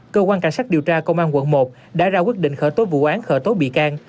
cơ quan cảnh sát điều tra công an quận một đã ra quyết định khởi tố vụ án khởi tố bị can